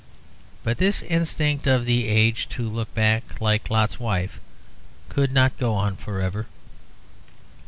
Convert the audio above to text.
But this instinct of the age to look back, like Lot's wife, could not go on for ever.